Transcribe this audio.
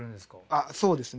あっそうですね。